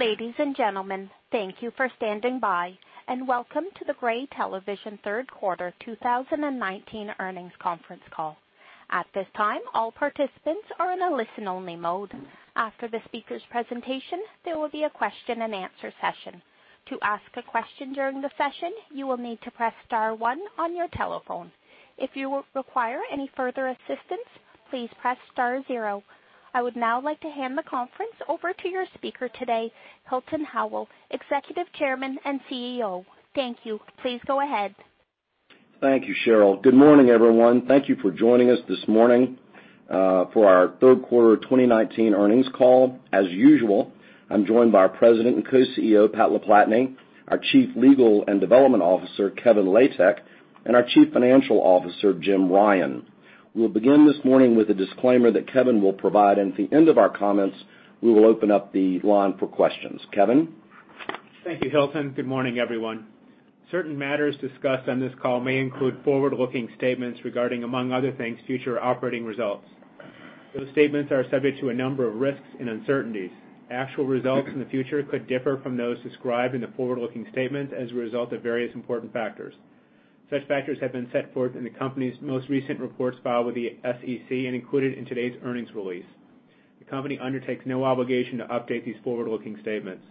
Ladies and gentlemen, thank you for standing by, and welcome to the Gray Television third quarter 2019 earnings conference call. At this time, all participants are in a listen-only mode. After the speaker's presentation, there will be a question and answer session. To ask a question during the session, you will need to press star one on your telephone. If you require any further assistance, please press star zero. I would now like to hand the conference over to your speaker today, Hilton Howell, Executive Chairman and CEO. Thank you. Please go ahead. Thank you, Cheryl. Good morning, everyone. Thank you for joining us this morning for our third quarter 2019 earnings call. As usual, I'm joined by our President and Co-CEO, Pat LaPlatney, our Chief Legal and Development Officer, Kevin Latek, and our Chief Financial Officer, Jim Ryan. We'll begin this morning with a disclaimer that Kevin will provide, and at the end of our comments, we will open up the line for questions. Kevin? Thank you, Hilton. Good morning, everyone. Certain matters discussed on this call may include forward-looking statements regarding, among other things, future operating results. Those statements are subject to a number of risks and uncertainties. Actual results in the future could differ from those described in the forward-looking statements as a result of various important factors. Such factors have been set forth in the company's most recent reports filed with the SEC and included in today's earnings release. The company undertakes no obligation to update these forward-looking statements.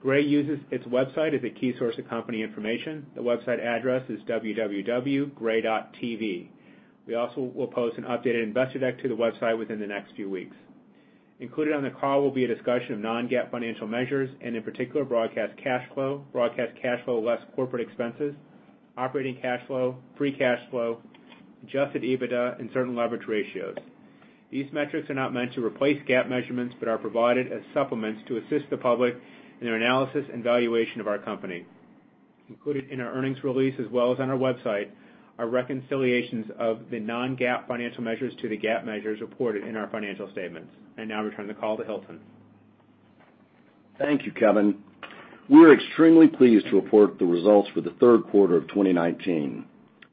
Gray uses its website as a key source of company information. The website address is www.gray.tv. We also will post an updated investor deck to the website within the next few weeks. Included on the call will be a discussion of non-GAAP financial measures, in particular, broadcast cash flow, broadcast cash flow less corporate expenses, operating cash flow, free cash flow, adjusted EBITDA and certain leverage ratios. These metrics are not meant to replace GAAP measurements but are provided as supplements to assist the public in their analysis and valuation of our company. Included in our earnings release as well as on our website are reconciliations of the non-GAAP financial measures to the GAAP measures reported in our financial statements. Now I return the call to Hilton. Thank you, Kevin. We are extremely pleased to report the results for the third quarter of 2019.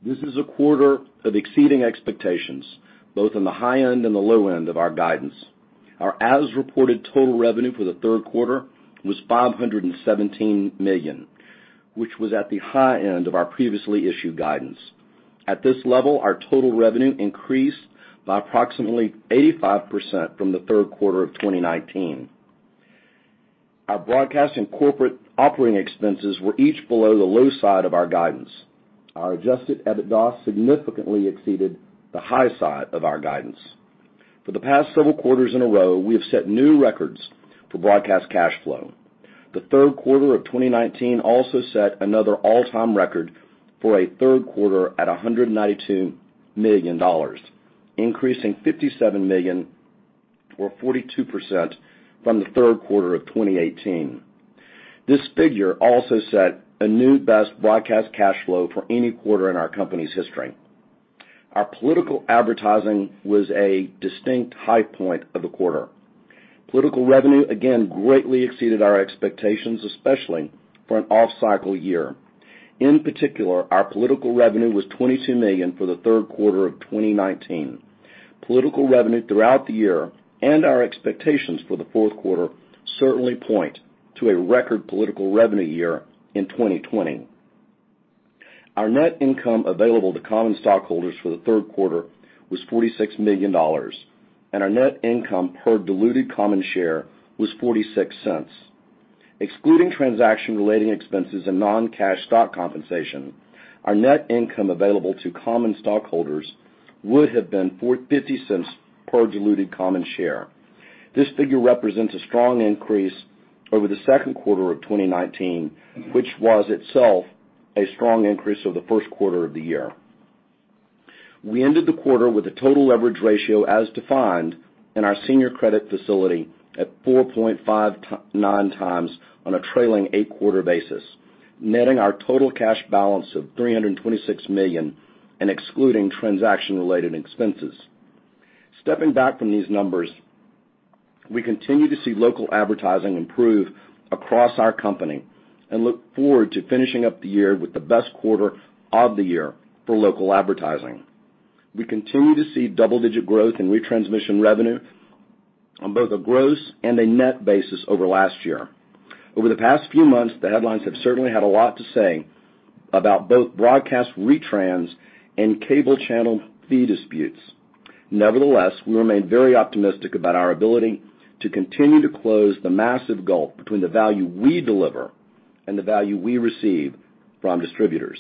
This is a quarter of exceeding expectations, both on the high end and the low end of our guidance. Our as-reported total revenue for the third quarter was $517 million, which was at the high end of our previously issued guidance. At this level, our total revenue increased by approximately 85% from the third quarter of 2019. Our broadcast and corporate operating expenses were each below the low side of our guidance. Our adjusted EBITDA significantly exceeded the high side of our guidance. For the past several quarters in a row, we have set new records for broadcast cash flow. The third quarter of 2019 also set another all-time record for a third quarter at $192 million, increasing $57 million or 42% from the third quarter of 2018. This figure also set a new best broadcast cash flow for any quarter in our company's history. Our political advertising was a distinct high point of the quarter. Political revenue again greatly exceeded our expectations, especially for an off-cycle year. In particular, our political revenue was $22 million for the third quarter of 2019. Political revenue throughout the year and our expectations for the fourth quarter certainly point to a record political revenue year in 2020. Our net income available to common stockholders for the third quarter was $46 million, and our net income per diluted common share was $0.46. Excluding transaction-related expenses and non-cash stock compensation, our net income available to common stockholders would have been $0.50 per diluted common share. This figure represents a strong increase over the second quarter of 2019, which was itself a strong increase over the first quarter of the year. We ended the quarter with a total leverage ratio as defined in our senior credit facility at 4.59 times on a trailing eight-quarter basis, netting our total cash balance of $326 million and excluding transaction-related expenses. Stepping back from these numbers, we continue to see local advertising improve across our company and look forward to finishing up the year with the best quarter of the year for local advertising. We continue to see double-digit growth in retransmission revenue on both a gross and a net basis over last year. Over the past few months, the headlines have certainly had a lot to say about both broadcast retrans and cable channel fee disputes. Nevertheless, we remain very optimistic about our ability to continue to close the massive gulf between the value we deliver and the value we receive from distributors.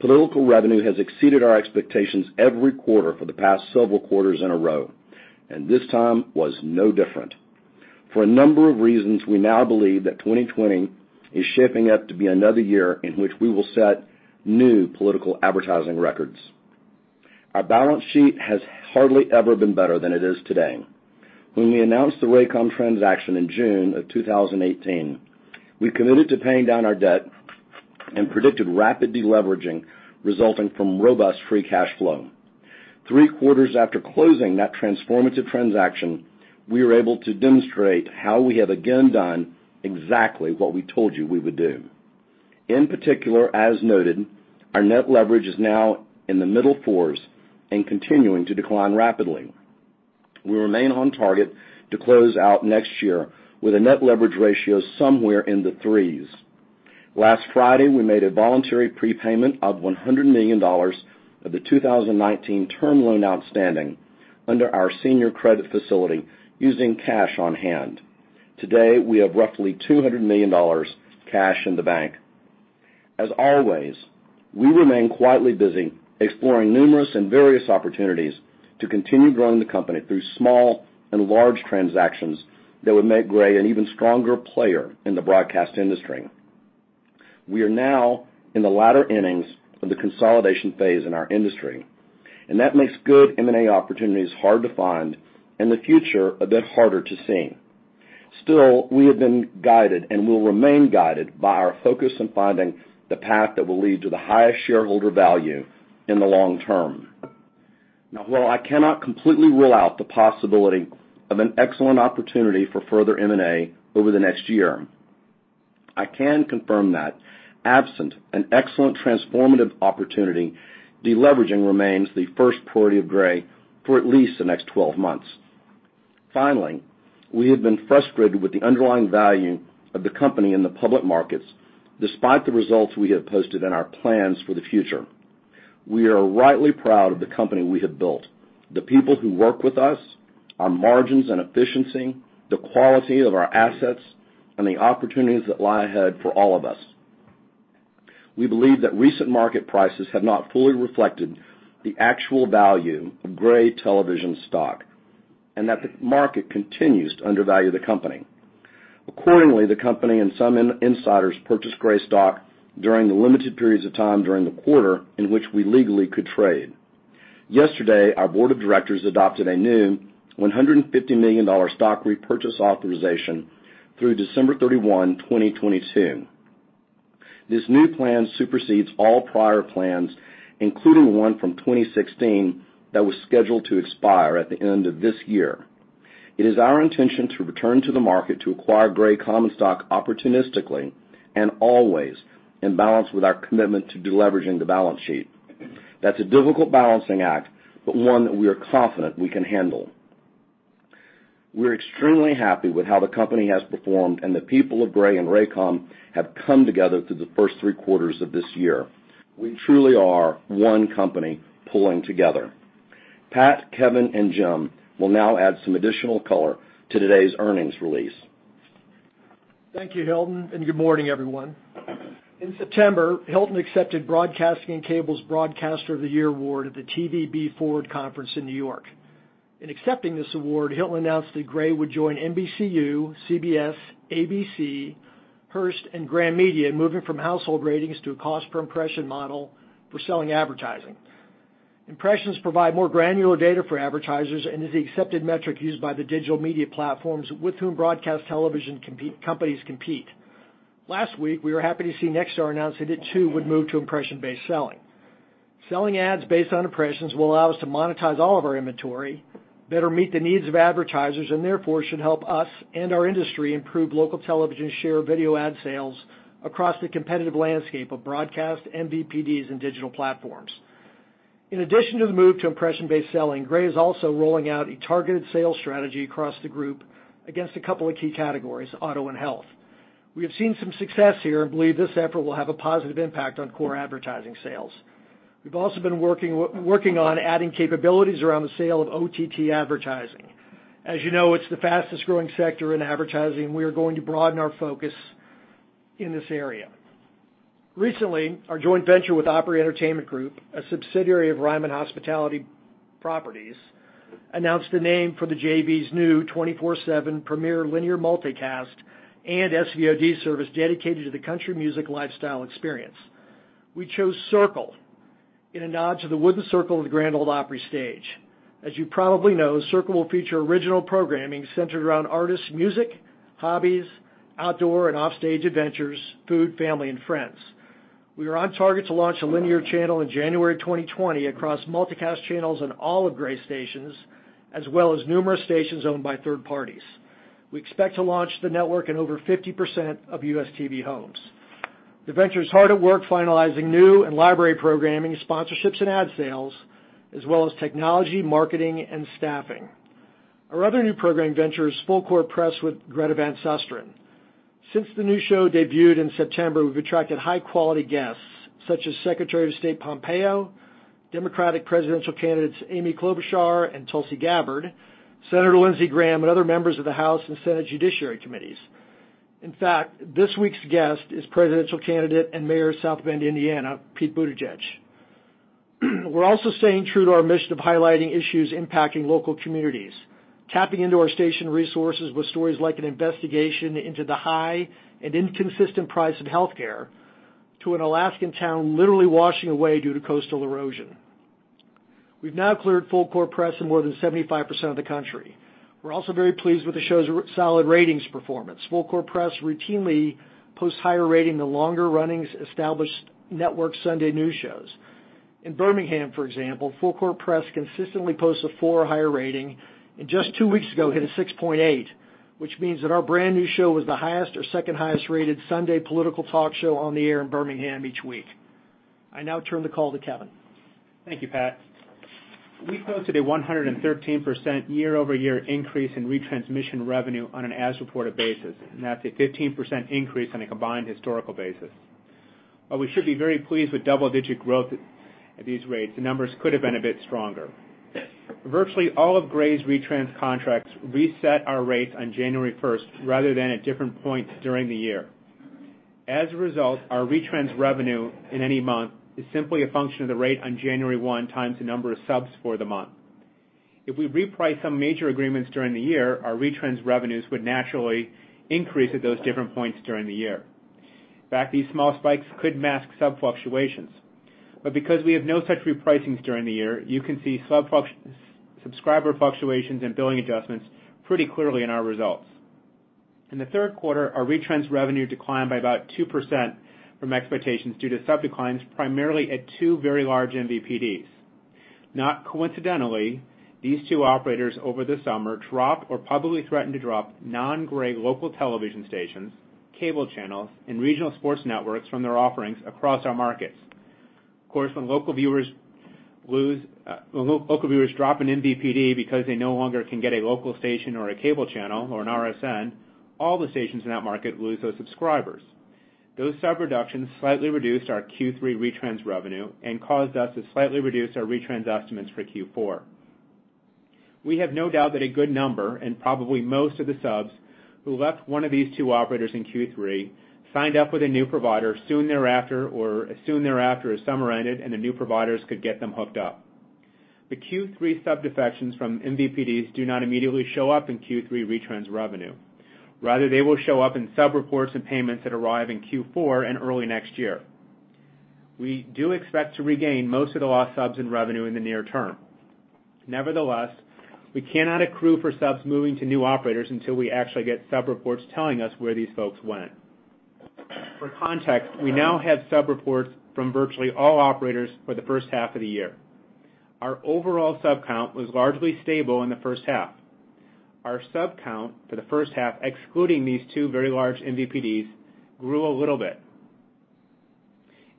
Political revenue has exceeded our expectations every quarter for the past several quarters in a row, and this time was no different. For a number of reasons, we now believe that 2020 is shaping up to be another year in which we will set new political advertising records. Our balance sheet has hardly ever been better than it is today. When we announced the Raycom transaction in June of 2018, we committed to paying down our debt and predicted rapid de-leveraging resulting from robust free cash flow. Three quarters after closing that transformative transaction, we were able to demonstrate how we have again done exactly what we told you we would do. In particular, as noted, our net leverage is now in the middle fours and continuing to decline rapidly. We remain on target to close out next year with a net leverage ratio somewhere in the threes. Last Friday, we made a voluntary prepayment of $100 million of the 2019 term loan outstanding under our senior credit facility using cash on hand. Today, we have roughly $200 million cash in the bank. As always, we remain quietly busy exploring numerous and various opportunities to continue growing the company through small and large transactions that would make Gray an even stronger player in the broadcast industry. We are now in the latter innings of the consolidation phase in our industry. That makes good M&A opportunities hard to find and the future a bit harder to see. Still, we have been guided and will remain guided by our focus on finding the path that will lead to the highest shareholder value in the long term. While I cannot completely rule out the possibility of an excellent opportunity for further M&A over the next year, I can confirm that absent an excellent transformative opportunity, de-leveraging remains the first priority of Gray for at least the next 12 months. We have been frustrated with the underlying value of the company in the public markets, despite the results we have posted and our plans for the future. We are rightly proud of the company we have built, the people who work with us, our margins and efficiency, the quality of our assets, and the opportunities that lie ahead for all of us. We believe that recent market prices have not fully reflected the actual value of Gray Television stock and that the market continues to undervalue the company. Accordingly, the company and some insiders purchased Gray stock during the limited periods of time during the quarter in which we legally could trade. Yesterday, our board of directors adopted a new $150 million stock repurchase authorization through December 31, 2022. This new plan supersedes all prior plans, including one from 2016 that was scheduled to expire at the end of this year. It is our intention to return to the market to acquire Gray common stock opportunistically and always in balance with our commitment to de-leveraging the balance sheet. That's a difficult balancing act, but one that we are confident we can handle. We're extremely happy with how the company has performed and the people of Gray and Raycom have come together through the first three quarters of this year. We truly are one company pulling together. Pat, Kevin, and Jim will now add some additional color to today's earnings release. Thank you, Hilton, and good morning, everyone. In September, Hilton accepted Broadcasting & Cable's Broadcaster of the Year Award at the TVB Forward Conference in New York. In accepting this award, Hilton announced that Gray would join NBCU, CBS, ABC, Hearst, and Graham Media Group in moving from household ratings to a cost-per-impression model for selling advertising. Impressions provide more granular data for advertisers and is the accepted metric used by the digital media platforms with whom broadcast television companies compete. Last week, we were happy to see Nexstar announce that it too would move to impression-based selling. Selling ads based on impressions will allow us to monetize all of our inventory, better meet the needs of advertisers, and therefore should help us and our industry improve local television share video ad sales across the competitive landscape of broadcast, MVPDs, and digital platforms. In addition to the move to impression-based selling, Gray is also rolling out a targeted sales strategy across the group against a couple of key categories, auto and health. We have seen some success here and believe this effort will have a positive impact on core advertising sales. We've also been working on adding capabilities around the sale of OTT advertising. As you know, it's the fastest-growing sector in advertising. We are going to broaden our focus in this area. Recently, our joint venture with Opry Entertainment Group, a subsidiary of Ryman Hospitality Properties, announced a name for the JV's new 24/7 premier linear multicast and SVOD service dedicated to the country music lifestyle experience. We chose Circle in a nod to the wooden circle of the Grand Ole Opry stage. As you probably know, Circle will feature original programming centered around artists' music, hobbies, outdoor and offstage adventures, food, family, and friends. We are on target to launch a linear channel in January 2020 across multicast channels on all of Gray's stations, as well as numerous stations owned by third parties. We expect to launch the network in over 50% of U.S. TV homes. The venture is hard at work finalizing new and library programming, sponsorships and ad sales, as well as technology, marketing, and staffing. Our other new programming venture is Full Court Press with Greta Van Susteren. Since the new show debuted in September, we've attracted high-quality guests such as Secretary of State Pompeo, Democratic presidential candidates Amy Klobuchar and Tulsi Gabbard, Senator Lindsey Graham, and other members of the House and Senate Judiciary Committees. This week's guest is presidential candidate and mayor of South Bend, Indiana, Pete Buttigieg. We're also staying true to our mission of highlighting issues impacting local communities, tapping into our station resources with stories like an investigation into the high and inconsistent price of healthcare, to an Alaskan town literally washing away due to coastal erosion. We've now cleared Full Court Press in more than 75% of the country. We're also very pleased with the show's solid ratings performance. Full Court Press routinely posts higher rating than longer-running established network Sunday news shows. In Birmingham, for example, Full Court Press consistently posts a four or higher rating, and just two weeks ago hit a 6.8, which means that our brand new show was the highest or second highest rated Sunday political talk show on the air in Birmingham each week. I now turn the call to Kevin. Thank you, Pat. We posted a 113% year-over-year increase in retransmission revenue on an as reported basis, and that's a 15% increase on a combined historical basis. While we should be very pleased with double-digit growth at these rates, the numbers could have been a bit stronger. Virtually all of Gray's retrans contracts reset our rates on January 1st, rather than at different points during the year. As a result, our retrans revenue in any month is simply a function of the rate on January 1 times the number of subs for the month. If we reprice some major agreements during the year, our retrans revenues would naturally increase at those different points during the year. In fact, these small spikes could mask sub fluctuations. Because we have no such repricings during the year, you can see subscriber fluctuations and billing adjustments pretty clearly in our results. In the third quarter, our retrans revenue declined by about 2% from expectations due to sub declines, primarily at two very large MVPDs. Not coincidentally, these two operators over the summer dropped or publicly threatened to drop non-Gray local television stations, cable channels, and regional sports networks from their offerings across our markets. Of course, when local viewers drop an MVPD because they no longer can get a local station or a cable channel or an RSN, all the stations in that market lose those subscribers. Those sub reductions slightly reduced our Q3 retrans revenue and caused us to slightly reduce our retrans estimates for Q4. We have no doubt that a good number and probably most of the subs who left one of these two operators in Q3 signed up with a new provider soon thereafter, or soon thereafter as summer ended and the new providers could get them hooked up. The Q3 sub defections from MVPDs do not immediately show up in Q3 retrans revenue. Rather, they will show up in sub reports and payments that arrive in Q4 and early next year. We do expect to regain most of the lost subs in revenue in the near term. Nevertheless, we cannot accrue for subs moving to new operators until we actually get sub reports telling us where these folks went. For context, we now have sub reports from virtually all operators for the first half of the year. Our overall sub count was largely stable in the first half. Our sub count for the first half, excluding these two very large MVPDs, grew a little bit.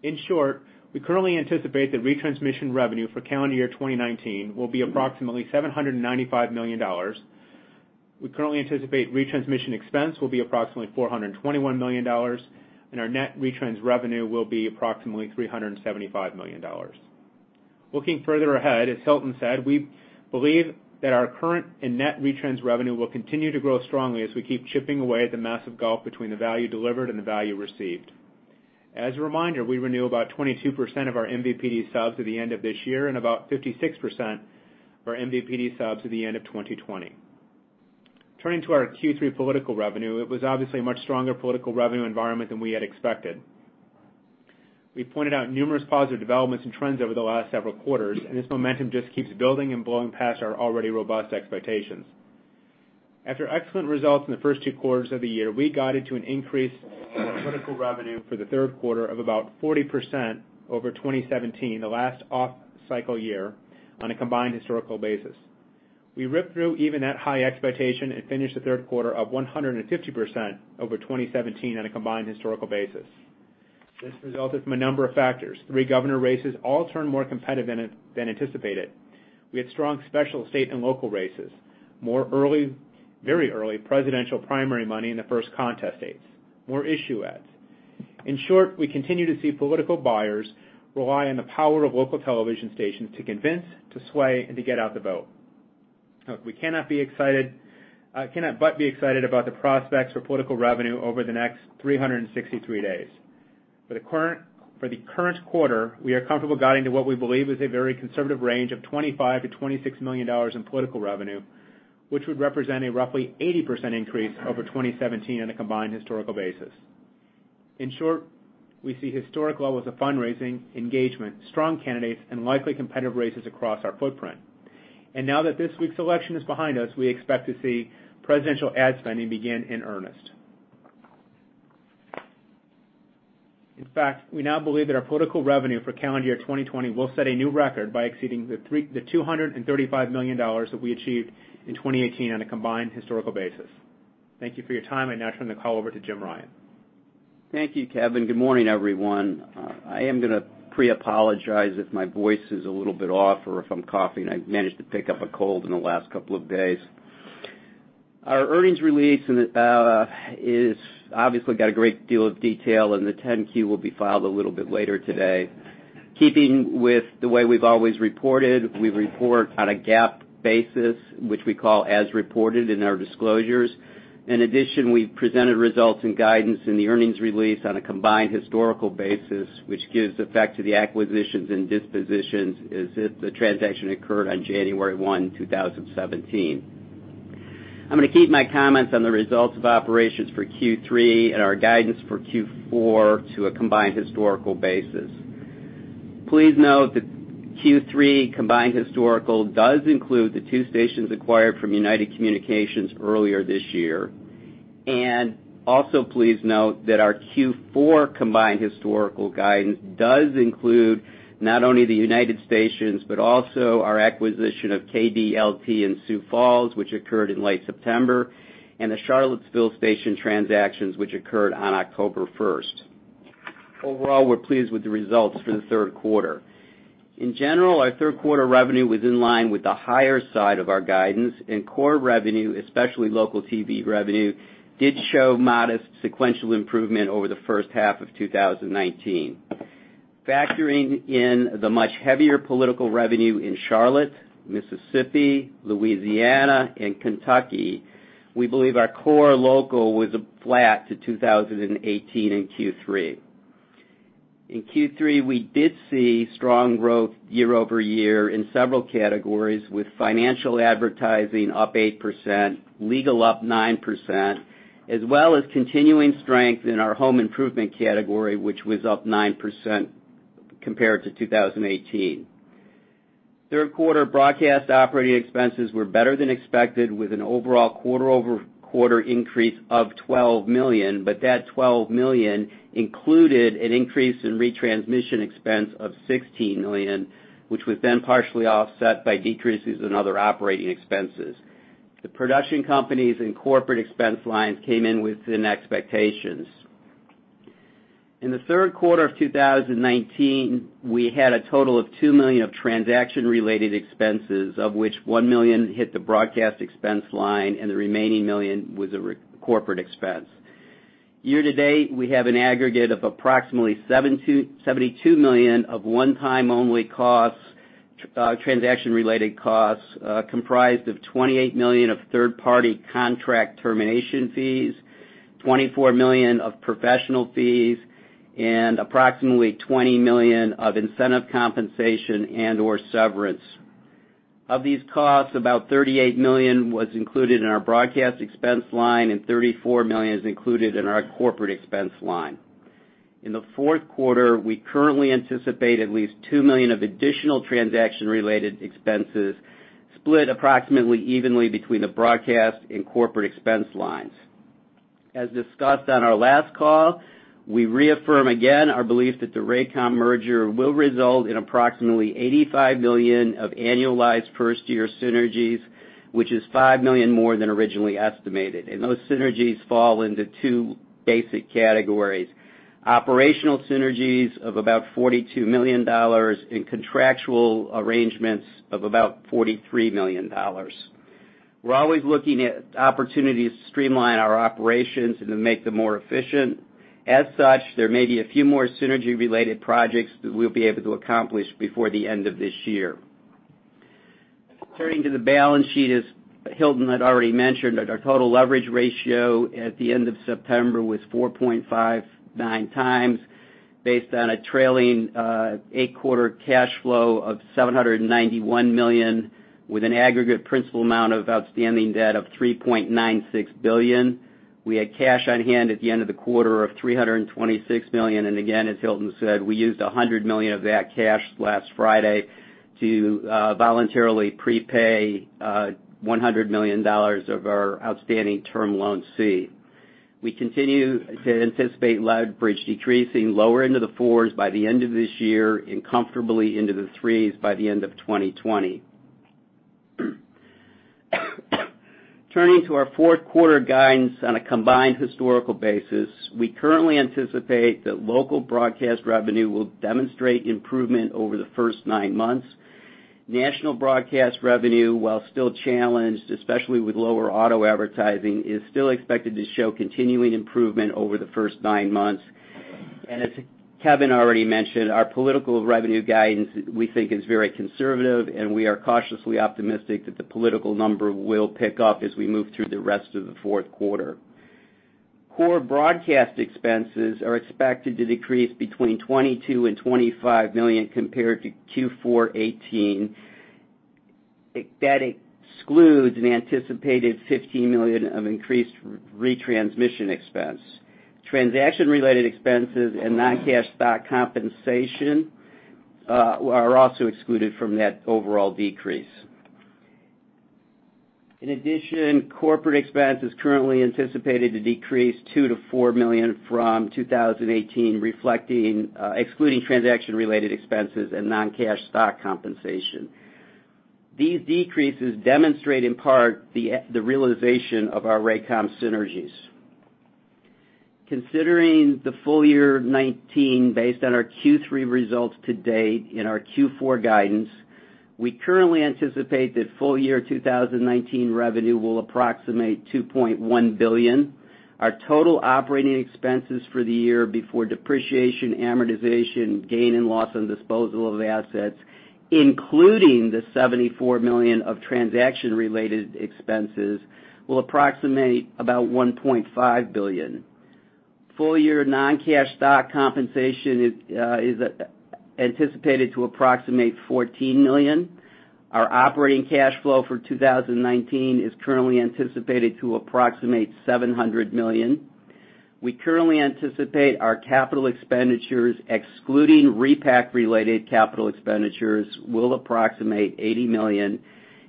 In short, we currently anticipate that retransmission revenue for calendar year 2019 will be approximately $795 million. We currently anticipate retransmission expense will be approximately $421 million, and our net retrans revenue will be approximately $375 million. Looking further ahead, as Hilton said, we believe that our current and net retrans revenue will continue to grow strongly as we keep chipping away at the massive gulf between the value delivered and the value received. As a reminder, we renew about 22% of our MVPD subs at the end of this year and about 56% of our MVPD subs at the end of 2020. Turning to our Q3 political revenue, it was obviously a much stronger political revenue environment than we had expected. We pointed out numerous positive developments and trends over the last several quarters. This momentum just keeps building and blowing past our already robust expectations. After excellent results in the first 2 quarters of the year, we guided to an increase in political revenue for the third quarter of about 40% over 2017, the last off-cycle year on a combined historical basis. We ripped through even that high expectation and finished the third quarter up 150% over 2017 on a combined historical basis. This resulted from a number of factors. 3 governor races all turned more competitive than anticipated. We had strong special state and local races, more very early presidential primary money in the first contest dates, more issue ads. In short, we continue to see political buyers rely on the power of local television stations to convince, to sway, and to get out the vote. Look, we cannot but be excited about the prospects for political revenue over the next 363 days. For the current quarter, we are comfortable guiding to what we believe is a very conservative range of $25 million to $26 million in political revenue, which would represent a roughly 80% increase over 2017 on a combined historical basis. In short, we see historic levels of fundraising, engagement, strong candidates, and likely competitive races across our footprint. Now that this week's election is behind us, we expect to see presidential ad spending begin in earnest. In fact, we now believe that our political revenue for calendar year 2020 will set a new record by exceeding the $235 million that we achieved in 2018 on a combined historical basis. Thank you for your time. I now turn the call over to Jim Ryan. Thank you, Kevin. Good morning, everyone. I am going to pre-apologize if my voice is a little bit off or if I'm coughing. I managed to pick up a cold in the last couple of days. Our earnings release has obviously got a great deal of detail, and the 10-Q will be filed a little bit later today. Keeping with the way we've always reported, we report on a GAAP basis, which we call as reported in our disclosures. In addition, we presented results and guidance in the earnings release on a combined historical basis, which gives effect to the acquisitions and dispositions as if the transaction occurred on January 1, 2017. I'm going to keep my comments on the results of operations for Q3 and our guidance for Q4 to a combined historical basis. Please note that Q3 combined historical does include the two stations acquired from United Communications earlier this year. Also please note that our Q4 combined historical guidance does include not only the United stations, but also our acquisition of KDLT in Sioux Falls, which occurred in late September, and the Charlottesville station transactions, which occurred on October 1st. Overall, we're pleased with the results for the third quarter. In general, our third quarter revenue was in line with the higher side of our guidance, and core revenue, especially local TV revenue, did show modest sequential improvement over the first half of 2019. Factoring in the much heavier political revenue in Charlotte, Mississippi, Louisiana, and Kentucky, we believe our core local was flat to 2018 in Q3. In Q3, we did see strong growth year-over-year in several categories, with financial advertising up 8%, legal up 9%, as well as continuing strength in our home improvement category, which was up 9% compared to 2018. Third quarter broadcast operating expenses were better than expected, with an overall quarter-over-quarter increase of $12 million, but that $12 million included an increase in retransmission expense of $16 million, which was then partially offset by decreases in other operating expenses. The production companies and corporate expense lines came in within expectations. In the third quarter of 2019, we had a total of $2 million of transaction-related expenses, of which $1 million hit the broadcast expense line and the remaining $1 million was a corporate expense. Year to date, we have an aggregate of approximately $72 million of one-time only transaction-related costs, comprised of $28 million of third-party contract termination fees, $24 million of professional fees, and approximately $20 million of incentive compensation and/or severance. Of these costs, about $38 million was included in our broadcast expense line, and $34 million is included in our corporate expense line. In the fourth quarter, we currently anticipate at least $2 million of additional transaction-related expenses, split approximately evenly between the broadcast and corporate expense lines. As discussed on our last call, we reaffirm again our belief that the Raycom merger will result in approximately $85 million of annualized first-year synergies, which is $5 million more than originally estimated. Those synergies fall into two basic categories: operational synergies of about $42 million, and contractual arrangements of about $43 million. We're always looking at opportunities to streamline our operations and to make them more efficient. As such, there may be a few more synergy-related projects that we'll be able to accomplish before the end of this year. Turning to the balance sheet, as Hilton had already mentioned, our total leverage ratio at the end of September was 4.59 times based on a trailing eight-quarter cash flow of $791 million, with an aggregate principal amount of outstanding debt of $3.96 billion. We had cash on hand at the end of the quarter of $326 million, and again, as Hilton said, we used $100 million of that cash last Friday to voluntarily prepay $100 million of our outstanding term loan C. We continue to anticipate leverage decreasing lower into the fours by the end of this year, and comfortably into the threes by the end of 2020. Turning to our fourth quarter guidance on a combined historical basis, we currently anticipate that local broadcast revenue will demonstrate improvement over the first nine months. National broadcast revenue, while still challenged, especially with lower auto advertising, is still expected to show continuing improvement over the first nine months. As Kevin already mentioned, our political revenue guidance, we think, is very conservative, and we are cautiously optimistic that the political number will pick up as we move through the rest of the fourth quarter. Core broadcast expenses are expected to decrease between $22 million-$25 million compared to Q4 2018. That excludes an anticipated $15 million of increased retransmission expense. Transaction-related expenses and non-cash stock compensation are also excluded from that overall decrease. In addition, corporate expense is currently anticipated to decrease $2 million-$4 million from 2018, excluding transaction-related expenses and non-cash stock compensation. These decreases demonstrate, in part, the realization of our Raycom synergies. Considering the full year 2019 based on our Q3 results to date and our Q4 guidance, we currently anticipate that full year 2019 revenue will approximate $2.1 billion. Our total operating expenses for the year before depreciation, amortization, gain and loss on disposal of assets, including the $74 million of transaction-related expenses, will approximate about $1.5 billion. Full year non-cash stock compensation is anticipated to approximate $14 million. Our operating cash flow for 2019 is currently anticipated to approximate $700 million. We currently anticipate our capital expenditures, excluding repack-related capital expenditures, will approximate $80 million,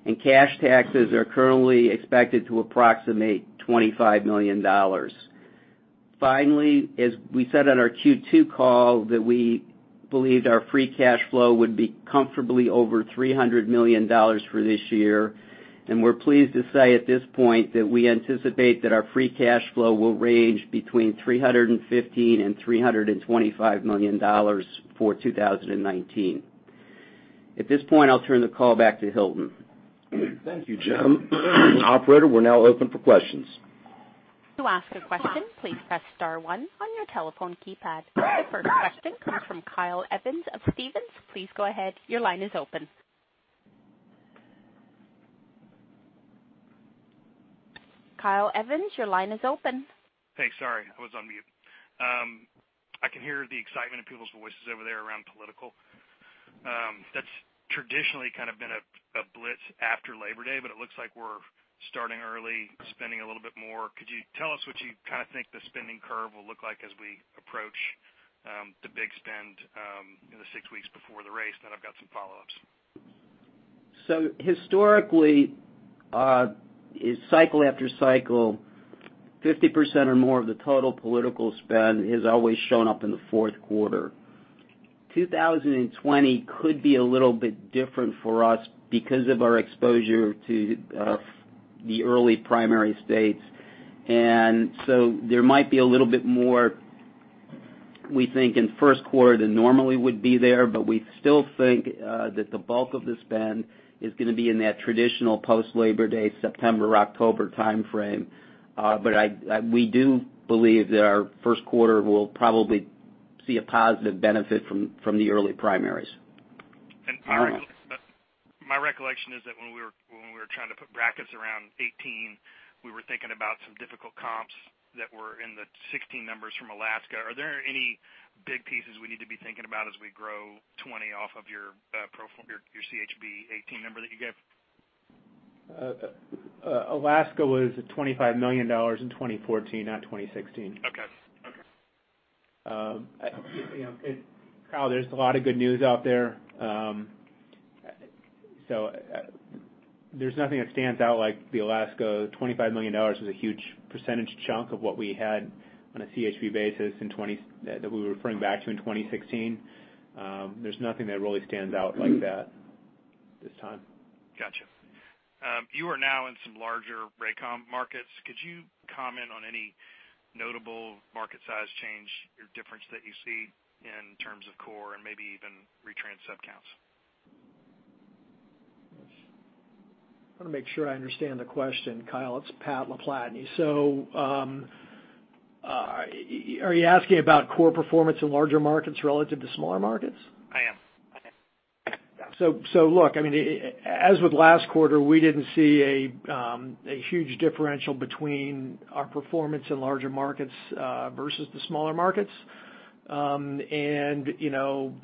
and cash taxes are currently expected to approximate $25 million. Finally, as we said on our Q2 call, that we believed our free cash flow would be comfortably over $300 million for this year, and we're pleased to say at this point that we anticipate that our free cash flow will range between $315 and $325 million for 2019. At this point, I'll turn the call back to Hilton. Thank you, Jim. Operator, we're now open for questions. To ask a question, please press star one on your telephone keypad. The first question comes from Kyle Evans of Stephens. Please go ahead. Your line is open. Kyle Evans, your line is open. Thanks. Sorry, I was on mute. I can hear the excitement in people's voices over there around political. That's traditionally kind of been a blitz after Labor Day. It looks like we're starting early, spending a little bit more. Could you tell us what you think the spending curve will look like as we approach the big spend in the six weeks before the race? I've got some follow-ups. Historically, cycle after cycle, 50% or more of the total political spend has always shown up in the fourth quarter. 2020 could be a little bit different for us because of our exposure to the early primary states. There might be a little bit more, we think, in first quarter than normally would be there, but we still think that the bulk of the spend is going to be in that traditional post-Labor Day, September, October timeframe. We do believe that our first quarter will probably see a positive benefit from the early primaries. My recollection is that when we were trying to put brackets around 2018, we were thinking about some difficult comps that were in the 2016 numbers from Alaska. Are there any big pieces we need to be thinking about as we grow 2020 off of your CHB 2018 number that you gave? Alaska was $25 million in 2014, not 2016. Okay. Kyle, there's a lot of good news out there. There's nothing that stands out like the Alaska $25 million was a huge percentage chunk of what we had on a CHB basis that we were referring back to in 2016. There's nothing that really stands out like that this time. Got you. You are now in some larger Raycom markets. Could you comment on any notable market size change or difference that you see in terms of core and maybe even retrans subcounts? I want to make sure I understand the question, Kyle. It's Pat LaPlatney. Are you asking about core performance in larger markets relative to smaller markets? I am. Look, as with last quarter, we didn't see a huge differential between our performance in larger markets versus the smaller markets.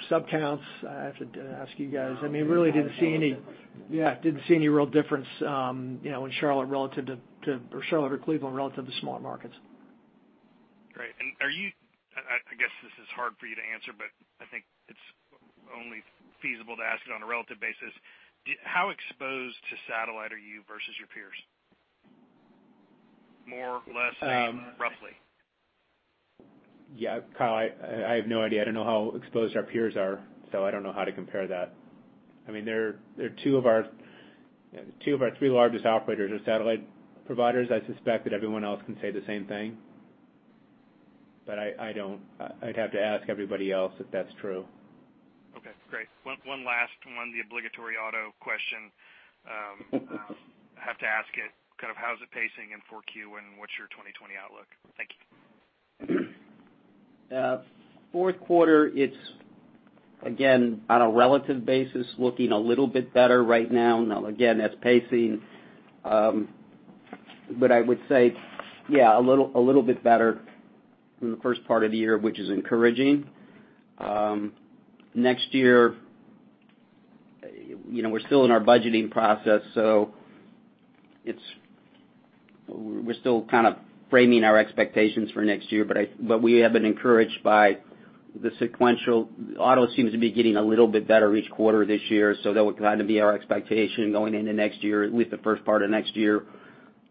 Subcounts, I have to ask you guys. I mean, really didn't see any real difference in Charlotte or Cleveland relative to smaller markets. Great. I guess this is hard for you to answer, but I think it's only feasible to ask it on a relative basis. How exposed to satellite are you versus your peers? More, less, roughly? Yeah, Kyle, I have no idea. I don't know how exposed our peers are, so I don't know how to compare that. Two of our three largest operators are satellite providers. I suspect that everyone else can say the same thing. I'd have to ask everybody else if that's true. Okay, great. One last one, the obligatory auto question. Have to ask it, how's it pacing in 4Q, and what's your 2020 outlook? Thank you. Fourth quarter, it's, again, on a relative basis, looking a little bit better right now. Again, that's pacing. I would say, yeah, a little bit better than the first part of the year, which is encouraging. Next year, we're still in our budgeting process, we're still kind of framing our expectations for next year. We have been encouraged by the sequential. Auto seems to be getting a little bit better each quarter this year, that would kind of be our expectation going into next year, at least the first part of next year,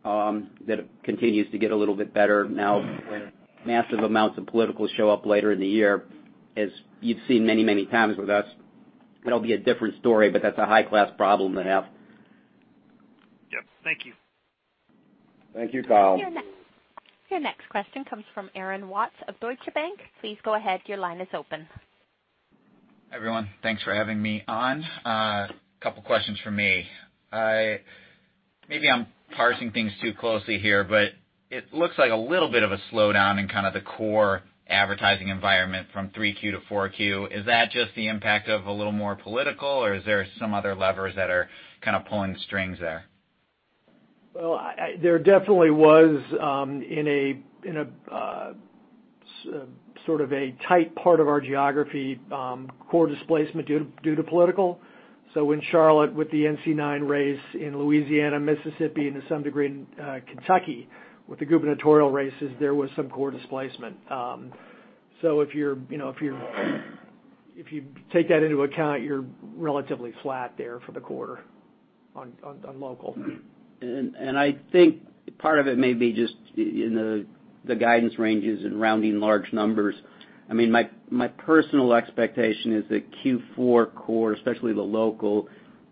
that it continues to get a little bit better. When massive amounts of political show up later in the year, as you've seen many, many times with us, it'll be a different story, that's a high-class problem to have. Yep. Thank you. Thank you, Kyle. Your next question comes from Aaron Watts of Deutsche Bank. Please go ahead. Your line is open. Hi, everyone. Thanks for having me on. A couple questions from me. Maybe I'm parsing things too closely here, it looks like a little bit of a slowdown in kind of the core advertising environment from 3Q to 4Q. Is that just the impact of a little more political, or is there some other levers that are kind of pulling strings there? Well, there definitely was, in a sort of a tight part of our geography, core displacement due to political. In Charlotte, with the NC-09 race, in Louisiana, Mississippi, and to some degree in Kentucky, with the gubernatorial races, there was some core displacement. If you take that into account, you're relatively flat there for the quarter on local. I think part of it may be just in the guidance ranges and rounding large numbers. My personal expectation is that Q4 core, especially the local,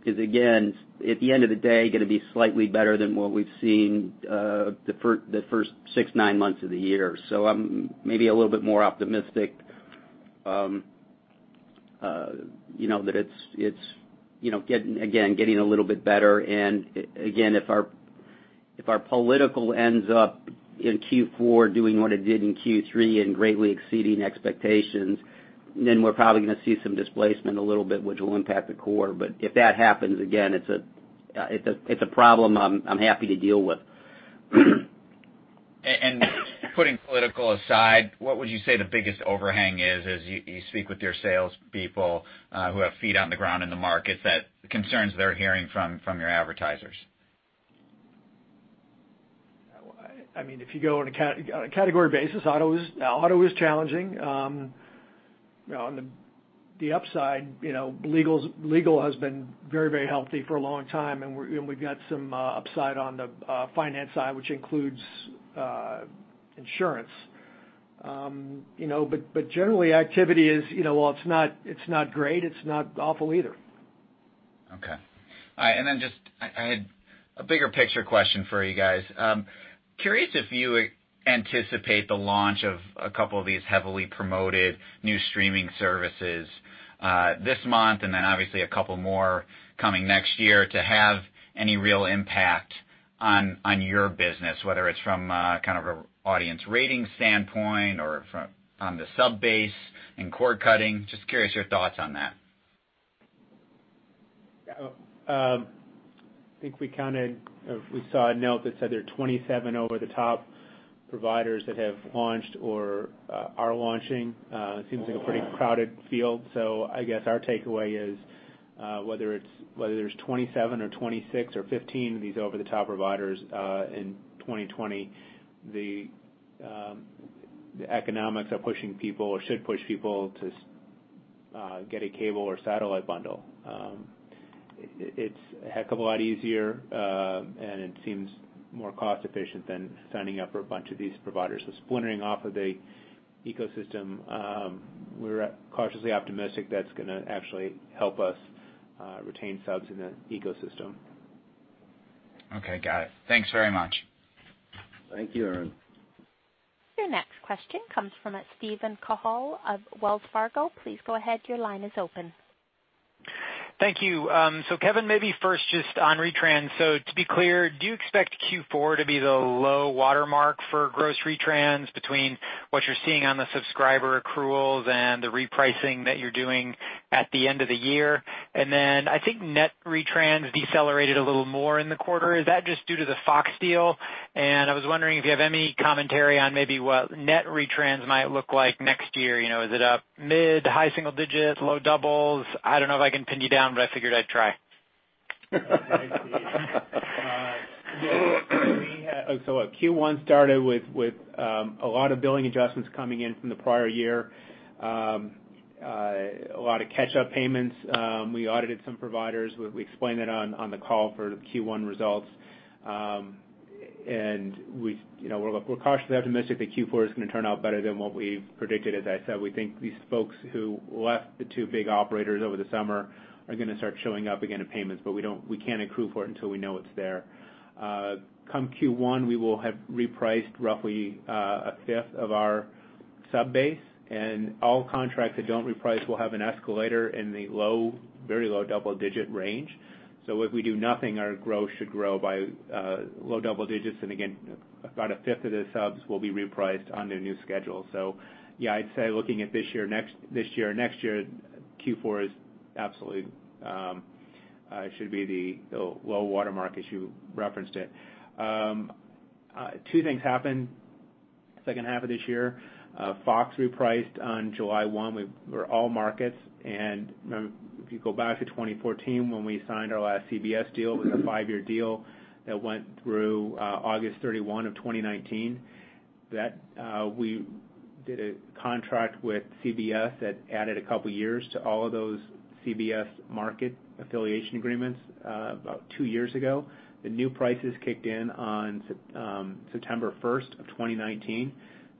is again, at the end of the day, going to be slightly better than what we've seen the first six, nine months of the year. I'm maybe a little bit more optimistic that it's getting a little bit better. Again, if our political ends up in Q4 doing what it did in Q3 and greatly exceeding expectations, then we're probably going to see some displacement a little bit, which will impact the core. If that happens, again, it's a problem I'm happy to deal with. Putting political aside, what would you say the biggest overhang is as you speak with your salespeople who have feet on the ground in the market, the concerns they're hearing from your advertisers? If you go on a category basis, auto is challenging. On the upside, legal has been very healthy for a long time, and we've got some upside on the finance side, which includes insurance. Generally, activity is while it's not great, it's not awful either. Okay. All right. Just I had a bigger picture question for you guys. Curious if you anticipate the launch of a couple of these heavily promoted new streaming services this month, obviously a couple more coming next year to have any real impact on your business, whether it's from a kind of audience rating standpoint or on the sub-base and cord cutting. Just curious your thoughts on that. I think we counted or we saw a note that said there are 27 over-the-top providers that have launched or are launching. It seems like a pretty crowded field. I guess our takeaway is whether there's 27 or 26 or 15 of these over-the-top providers in 2020, the economics are pushing people or should push people to get a cable or satellite bundle. It's a heck of a lot easier, and it seems more cost-efficient than signing up for a bunch of these providers. Splintering off of the ecosystem, we're cautiously optimistic that's going to actually help us retain subs in the ecosystem. Okay, got it. Thanks very much. Thank you, Aaron. Your next question comes from Steven Cahall of Wells Fargo. Please go ahead, your line is open. Thank you. Kevin, maybe first just on retrans. To be clear, do you expect Q4 to be the low watermark for gross retrans between what you're seeing on the subscriber accruals and the repricing that you're doing at the end of the year? I think net retrans decelerated a little more in the quarter. Is that just due to the Fox deal? I was wondering if you have any commentary on maybe what net retrans might look like next year. Is it up mid- to high single digits, low doubles? I don't know if I can pin you down, but I figured I'd try. Q1 started with a lot of billing adjustments coming in from the prior year. A lot of catch-up payments. We audited some providers. We explained that on the call for the Q1 results. We're cautiously optimistic that Q4 is going to turn out better than what we've predicted. As I said, we think these folks who left the two big operators over the summer are going to start showing up again in payments, but we can't accrue for it until we know it's there. Come Q1, we will have repriced roughly a fifth of our sub-base, and all contracts that don't reprice will have an escalator in the very low double-digit range. If we do nothing, our growth should grow by low double digits and again, about a fifth of the subs will be repriced under new schedules. Yeah, I'd say looking at this year or next year, Q4 absolutely should be the low watermark as you referenced it. Two things happened second half of this year. Fox repriced on July 1 with all markets. If you go back to 2014 when we signed our last CBS deal, it was a five-year deal that went through August 31 of 2019, we did a contract with CBS that added a couple of years to all of those CBS market affiliation agreements about two years ago. The new prices kicked in on September 1st of 2019.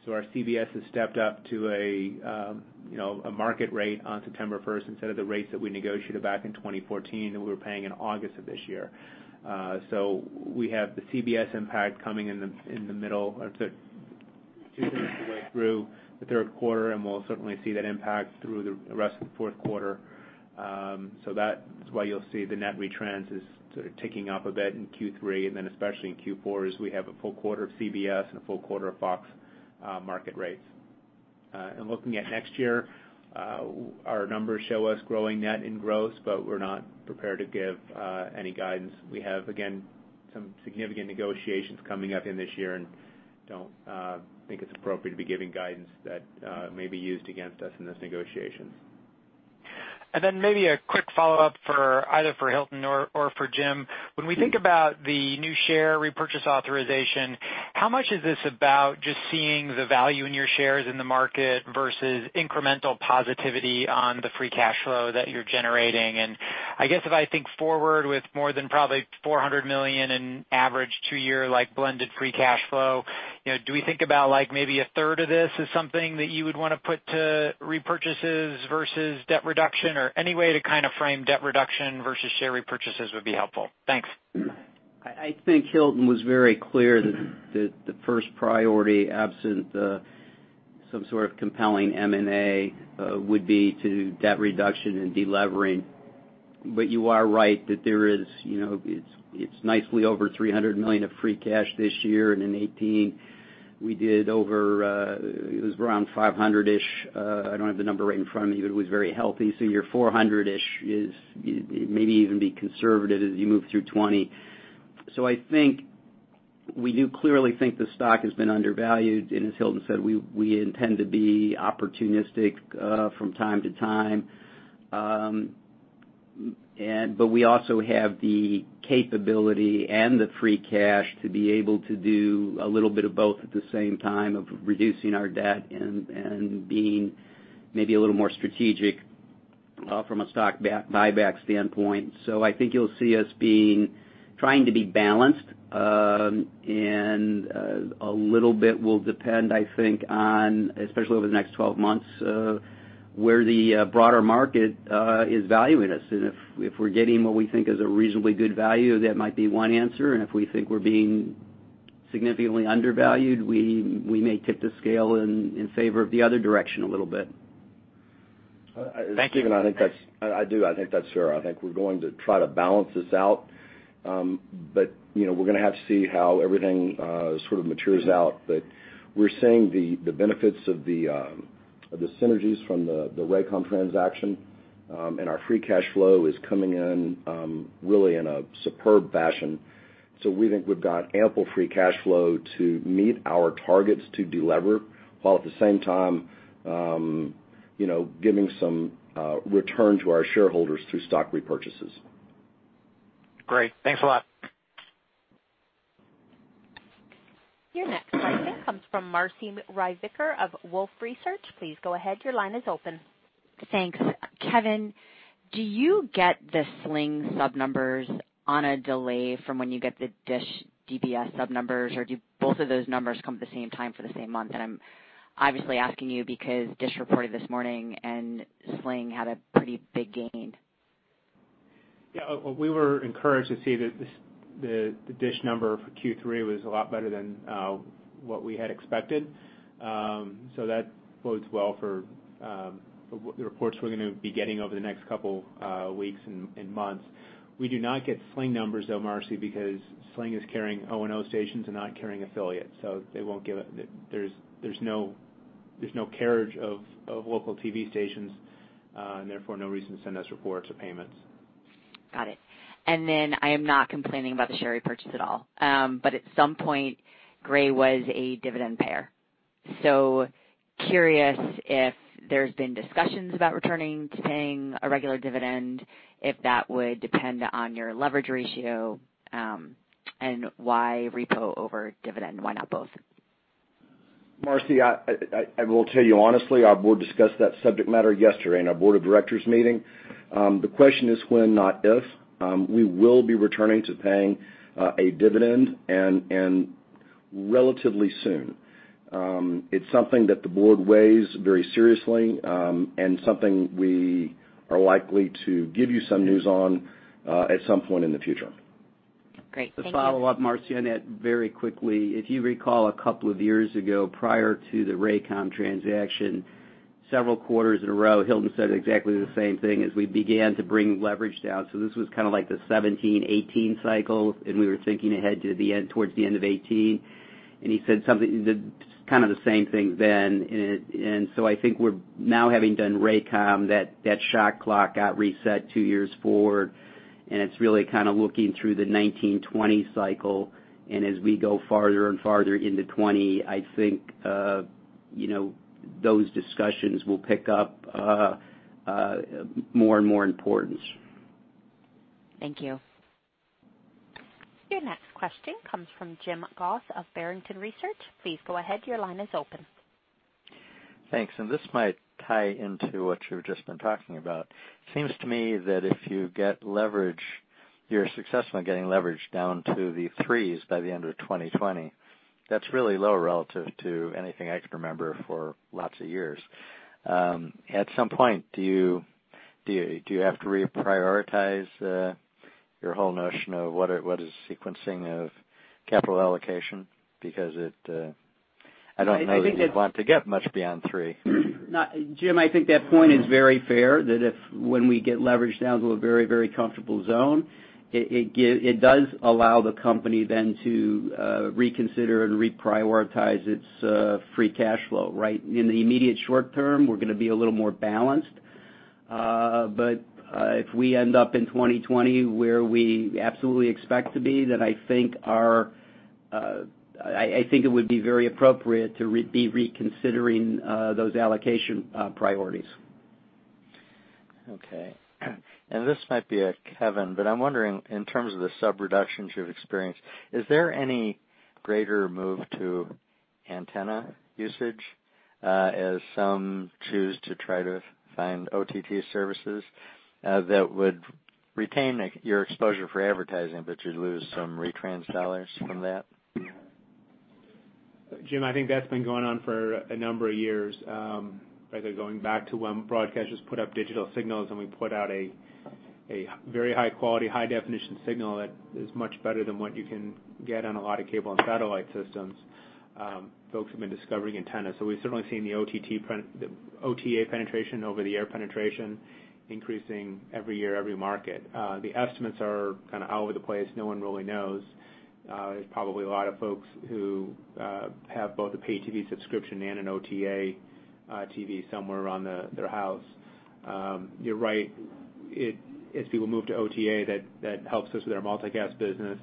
Our CBS has stepped up to a market rate on September 1st instead of the rates that we negotiated back in 2014 that we were paying in August of this year. We have the CBS impact coming in the middle or two-thirds of the way through the third quarter, and we'll certainly see that impact through the rest of the fourth quarter. That is why you'll see the net retrans is sort of ticking up a bit in Q3, and then especially in Q4, as we have a full quarter of CBS and a full quarter of Fox market rates. Looking at next year, our numbers show us growing net in gross, but we're not prepared to give any guidance. Some significant negotiations coming up in this year and don't think it's appropriate to be giving guidance that may be used against us in those negotiations. Then maybe a quick follow-up either for Hilton or for Jim. When we think about the new share repurchase authorization, how much is this about just seeing the value in your shares in the market versus incremental positivity on the free cash flow that you're generating? I guess if I think forward with more than probably $400 million in average two-year blended free cash flow, do we think about maybe a third of this as something that you would want to put to repurchases versus debt reduction, or any way to kind of frame debt reduction versus share repurchases would be helpful. Thanks. I think Hilton was very clear that the first priority, absent some sort of compelling M&A, would be to debt reduction and de-levering. You are right that it's nicely over $300 million of free cash this year, and in 2018, it was around $500-ish. I don't have the number right in front of me, but it was very healthy. Your $400-ish is maybe even be conservative as you move through 2020. I think we do clearly think the stock has been undervalued. As Hilton said, we intend to be opportunistic from time to time. We also have the capability and the free cash to be able to do a little bit of both at the same time of reducing our debt and being maybe a little more strategic from a stock buyback standpoint. I think you'll see us trying to be balanced. A little bit will depend, I think on, especially over the next 12 months, where the broader market is valuing us. If we're getting what we think is a reasonably good value, that might be one answer. If we think we're being significantly undervalued, we may tip the scale in favor of the other direction a little bit. Thank you. Steven, I do, I think that's fair. I think we're going to try to balance this out. We're going to have to see how everything sort of matures out. We're seeing the benefits of the synergies from the Raycom transaction, and our free cash flow is coming in really in a superb fashion. We think we've got ample free cash flow to meet our targets to de-lever, while at the same time giving some return to our shareholders through stock repurchases. Great. Thanks a lot. Your next question comes from Marci Ryvicker of Wolfe Research. Please go ahead. Your line is open. Thanks. Kevin, do you get the Sling sub numbers on a delay from when you get the DISH DBS sub numbers, or do both of those numbers come at the same time for the same month? I'm obviously asking you because DISH reported this morning, and Sling had a pretty big gain. Yeah, we were encouraged to see that the DISH number for Q3 was a lot better than what we had expected. That bodes well for the reports we're going to be getting over the next couple weeks and months. We do not get Sling numbers, though, Marci, because Sling is carrying O&O stations and not carrying affiliates. There's no carriage of local TV stations, and therefore no reason to send us reports or payments. Got it. I am not complaining about the share repurchase at all. At some point, Gray was a dividend payer. Curious if there's been discussions about returning to paying a regular dividend, if that would depend on your leverage ratio, and why repo over dividend? Why not both? Marci, I will tell you honestly, our board discussed that subject matter yesterday in our board of directors meeting. The question is when, not if. We will be returning to paying a dividend, and relatively soon. It's something that the board weighs very seriously, and something we are likely to give you some news on at some point in the future. Great. Thank you. To follow up, Marci, on that very quickly. If you recall, 2 years ago, prior to the Raycom transaction, several quarters in a row, Hilton said exactly the same thing as we began to bring leverage down. This was kind of like the 2017, 2018 cycle, and we were thinking ahead towards the end of 2018. He said kind of the same thing then. I think now having done Raycom, that shot clock got reset 2 years forward, and it's really kind of looking through the 2019, 2020 cycle. As we go farther and farther into 2020, I think those discussions will pick up more and more importance. Thank you. Your next question comes from Jim Goss of Barrington Research. Please go ahead. Your line is open. Thanks. This might tie into what you've just been talking about. Seems to me that if you're successful in getting leverage down to the threes by the end of 2020, that's really low relative to anything I can remember for lots of years. At some point, do you have to reprioritize your whole notion of what is sequencing of capital allocation? I don't know that you'd want to get much beyond three. Jim, I think that point is very fair, that if when we get leverage down to a very, very comfortable zone, it does allow the company then to reconsider and reprioritize its free cash flow, right? In the immediate short term, we're going to be a little more balanced. If we end up in 2020 where we absolutely expect to be, then I think it would be very appropriate to be reconsidering those allocation priorities. Okay. This might be a Kevin, I'm wondering in terms of the sub reductions you've experienced, is there any greater move to antenna usage, as some choose to try to find OTT services that would retain your exposure for advertising, but you'd lose some retrans $ from that? Jim, I think that's been going on for a number of years. Either going back to when broadcasters put up digital signals and we put out a very high quality, high definition signal that is much better than what you can get on a lot of cable and satellite systems. Folks have been discovering antenna. We've certainly seen the OTA penetration, over-the-air penetration, increasing every year, every market. The estimates are kind of all over the place. No one really knows. There's probably a lot of folks who have both a pay TV subscription and an OTA TV somewhere around their house. You're right. As people move to OTA, that helps us with our multi-cast business,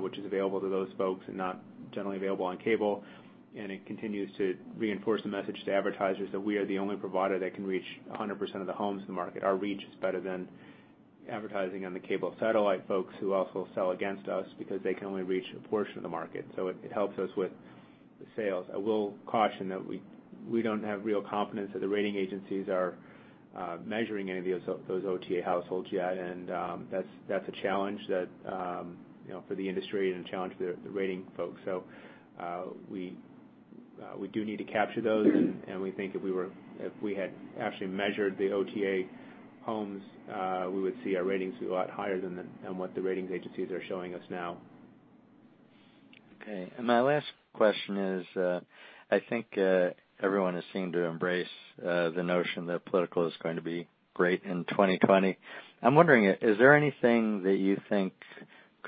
which is available to those folks and not generally available on cable. It continues to reinforce the message to advertisers that we are the only provider that can reach 100% of the homes in the market. Our reach is better than advertising on the cable satellite folks who also sell against us because they can only reach a portion of the market. It helps us with the sales. I will caution that we don't have real confidence that the rating agencies are measuring any of those OTA households yet, and that's a challenge for the industry and a challenge for the rating folks. We do need to capture those, and we think if we had actually measured the OTA homes, we would see our ratings a lot higher than what the ratings agencies are showing us now. Okay. My last question is, I think everyone has seemed to embrace the notion that political is going to be great in 2020. I'm wondering, is there anything that you think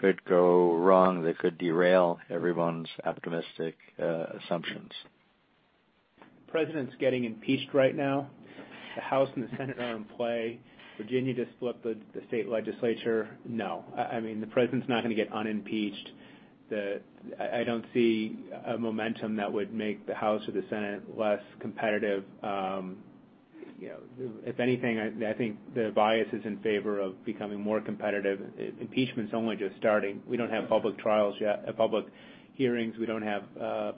could go wrong that could derail everyone's optimistic assumptions? President's getting impeached right now. The House and the Senate are in play. Virginia just flipped the state legislature. The president's not going to get un-impeached. I don't see a momentum that would make the House or the Senate less competitive. If anything, I think the bias is in favor of becoming more competitive. Impeachment's only just starting. We don't have public trials yet, public hearings. We don't have a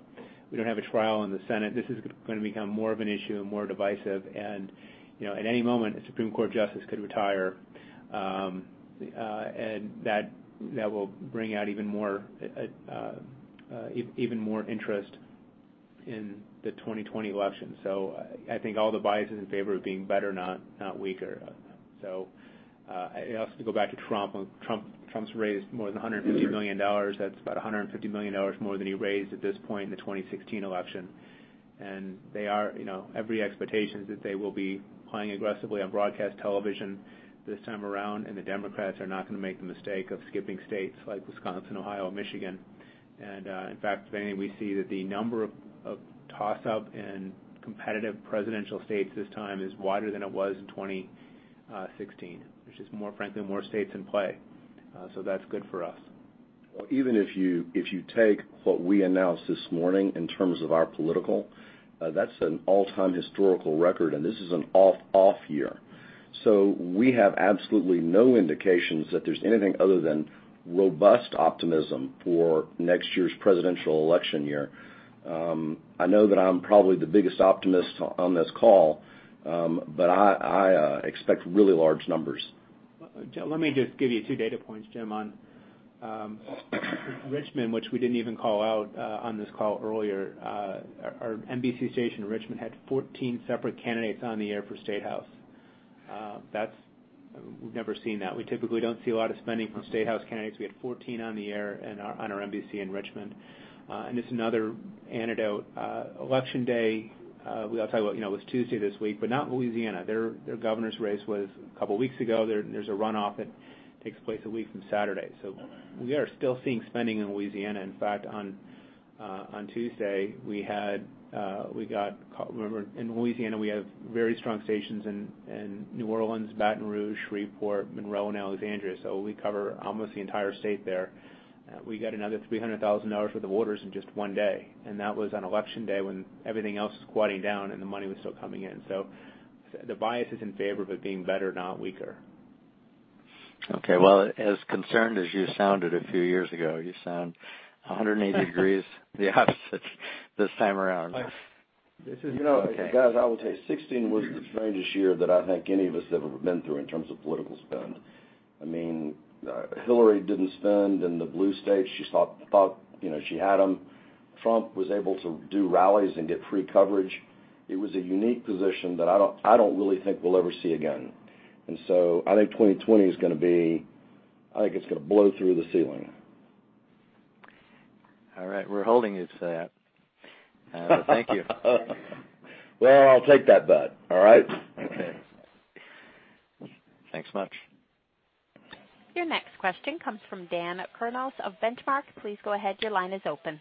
trial in the Senate. This is going to become more of an issue and more divisive. At any moment, a Supreme Court justice could retire, and that will bring out even more interest in the 2020 election. I think all the bias is in favor of being better, not weaker. To go back to Trump's raised more than $150 million. That's about $150 million more than he raised at this point in the 2016 election. Every expectation is that they will be playing aggressively on broadcast television this time around, and the Democrats are not going to make the mistake of skipping states like Wisconsin, Ohio, Michigan. In fact, today we see that the number of toss-up and competitive presidential states this time is wider than it was in 2016. There's just, frankly, more states in play. That's good for us. Well, even if you take what we announced this morning in terms of our political, that's an all-time historical record, and this is an off-off year. We have absolutely no indications that there's anything other than robust optimism for next year's presidential election year. I know that I'm probably the biggest optimist on this call, but I expect really large numbers. Let me just give you two data points, Jim, on Richmond, which we didn't even call out on this call earlier. Our NBC station in Richmond had 14 separate candidates on the air for State House. We've never seen that. We typically don't see a lot of spending from State House candidates. We had 14 on the air on our NBC in Richmond. Just another anecdote, Election Day, I'll tell you, it was Tuesday this week, but not Louisiana. Their governor's race was a couple of weeks ago. There's a runoff that takes place a week from Saturday. We are still seeing spending in Louisiana. In fact, on Tuesday, remember in Louisiana, we have very strong stations in New Orleans, Baton Rouge, Shreveport, Monroe, and Alexandria. We cover almost the entire state there. We got another $300,000 for the voters in just one day, and that was on Election Day when everything else was squatting down, and the money was still coming in. The bias is in favor of it being better, not weaker. Okay. Well, as concerned as you sounded a few years ago, you sound 180 degrees the opposite this time around. This is- Guys, I will tell you, 2016 was the strangest year that I think any of us have ever been through in terms of political spend. Hillary didn't spend in the blue states. She thought she had them. Trump was able to do rallies and get free coverage. It was a unique position that I don't really think we'll ever see again. I think 2020 is going to blow through the ceiling. All right. We're holding you to that. Thank you. I'll take that bet. All right? Okay. Thanks much. Your next question comes from Dan Kurnos of Benchmark. Please go ahead, your line is open.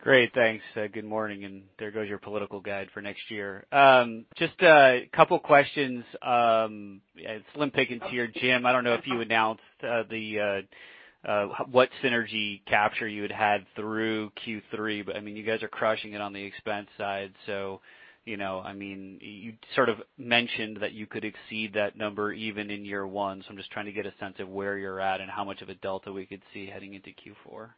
Great. Thanks. Good morning, and there goes your political guide for next year. Just a couple questions. Slim pickings here, Jim, I don't know if you announced what synergy capture you had had through Q3, but you guys are crushing it on the expense side. You sort of mentioned that you could exceed that number even in year one. I'm just trying to get a sense of where you're at and how much of a delta we could see heading into Q4.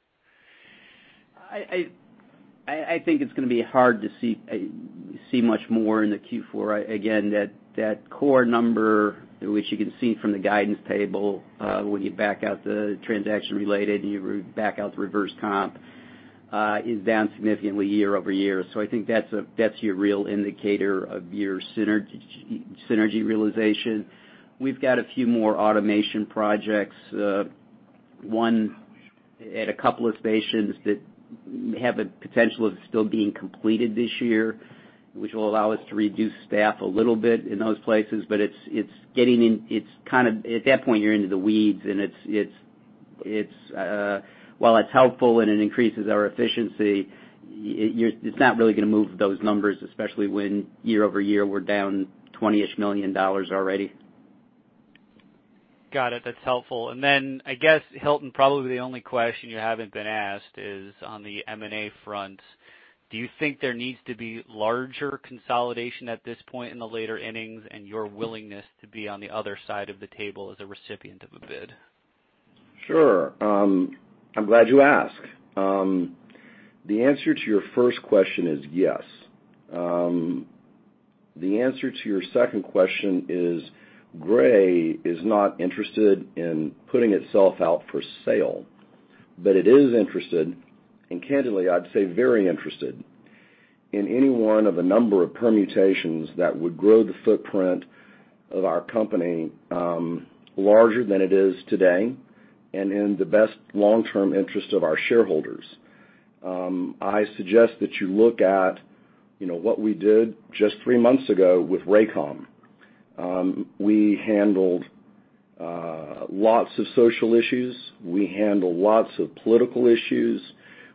I think it's going to be hard to see much more in the Q4. That core number, which you can see from the guidance table, when you back out the transaction related and you back out the reverse comp, is down significantly year-over-year. I think that's your real indicator of your synergy realization. We've got a few more automation projects. One at a couple of stations that have the potential of still being completed this year, which will allow us to reduce staff a little bit in those places. At that point, you're into the weeds and while it's helpful and it increases our efficiency, it's not really going to move those numbers, especially when year-over-year, we're down $20-ish million already. Got it. That's helpful. I guess, Hilton, probably the only question you haven't been asked is on the M&A front. Do you think there needs to be larger consolidation at this point in the later innings and your willingness to be on the other side of the table as a recipient of a bid? Sure. I'm glad you asked. The answer to your first question is yes. The answer to your second question is Gray is not interested in putting itself out for sale, but it is interested, and candidly, I'd say very interested, in any one of a number of permutations that would grow the footprint of our company larger than it is today and in the best long-term interest of our shareholders. I suggest that you look at what we did just three months ago with Raycom. We handled lots of social issues. We handled lots of political issues.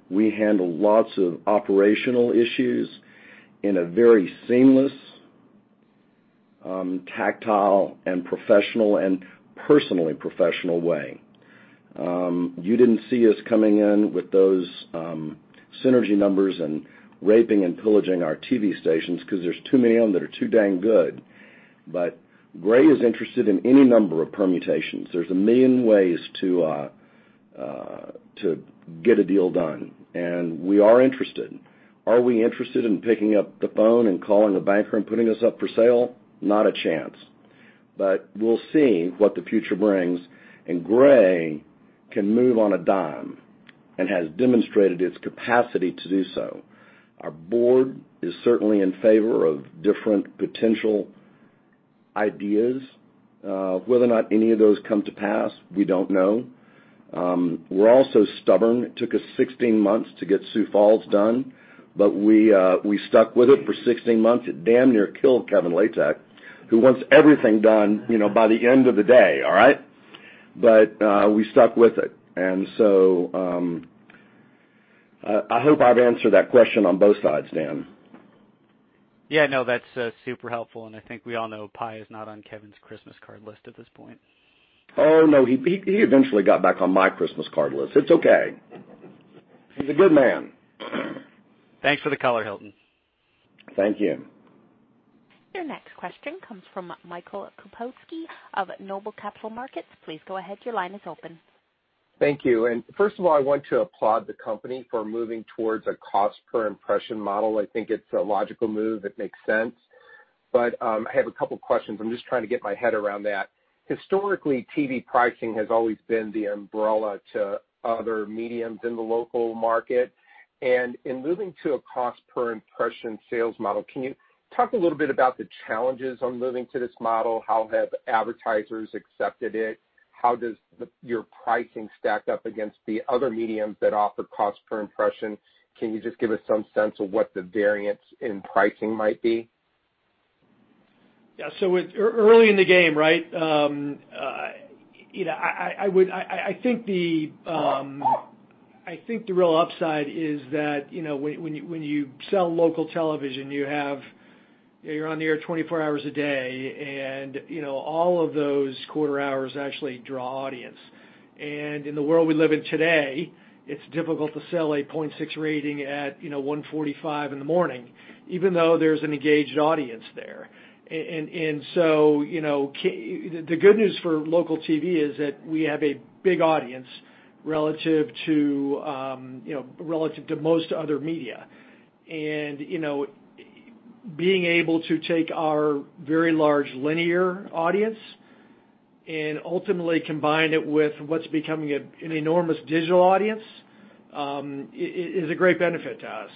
We handled lots of operational issues in a very seamless, tactile, and professional, and personally professional way. You didn't see us coming in with those synergy numbers and raping and pillaging our TV stations because there's too many of them that are too dang good. Gray is interested in any number of permutations. There's 1 million ways to get a deal done, and we are interested. Are we interested in picking up the phone and calling a banker and putting us up for sale? Not a chance. We'll see what the future brings, and Gray can move on a dime and has demonstrated its capacity to do so. Our board is certainly in favor of different potential ideas. Whether or not any of those come to pass, we don't know. We're also stubborn. It took us 16 months to get Sioux Falls done, but we stuck with it for 16 months. It damn near killed Kevin Latek, who wants everything done by the end of the day. All right? We stuck with it. I hope I've answered that question on both sides, Dan. Yeah, no, that's super helpful. I think we all know Pai is not on Kevin's Christmas card list at this point. Oh, no. He eventually got back on my Christmas card list. It's okay. He's a good man. Thanks for the color, Hilton. Thank you. Your next question comes from Michael Kupinski of Noble Capital Markets. Please go ahead, your line is open. Thank you. First of all, I want to applaud the company for moving towards a cost-per-impression model. I think it's a logical move. It makes sense. I have a couple questions. I'm just trying to get my head around that. Historically, TV pricing has always been the umbrella to other mediums in the local market. In moving to a cost-per-impression sales model, can you talk a little bit about the challenges on moving to this model? How have advertisers accepted it? How does your pricing stack up against the other mediums that offer cost-per-impression? Can you just give us some sense of what the variance in pricing might be? Yeah. Early in the game, right? I think the real upside is that when you sell local television, you're on the air 24 hours a day, and all of those quarter hours actually draw audience. In the world we live in today, it's difficult to sell a 0.6 rating at 1:45 in the morning, even though there's an engaged audience there. The good news for local TV is that we have a big audience relative to most other media. Being able to take our very large linear audience and ultimately combine it with what's becoming an enormous digital audience, is a great benefit to us.